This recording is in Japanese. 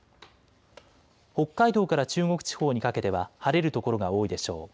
北海道から中国地方にかけては晴れるところが多いでしょう。